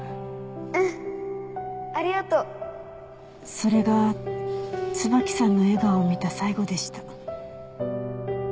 それが椿さんの笑顔を見た最後でした。